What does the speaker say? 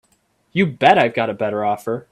You bet I've got a better offer.